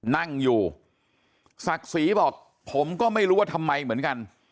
นั่งอยู่ศักดิ์ศรีบอกผมก็ไม่รู้ว่าทำไมเหมือนกัน